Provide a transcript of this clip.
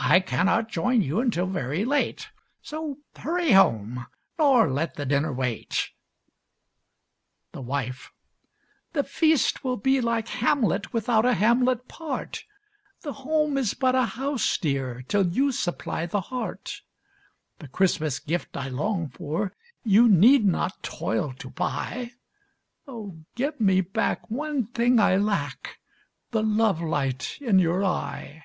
I cannot join you until very late, So hurry home, nor let the dinner wait. THE WIFE The feast will be like Hamlet Without a Hamlet part: The home is but a house, dear, Till you supply the heart. The Xmas gift I long for You need not toil to buy; Oh! give me back one thing I lack The love light in your eye.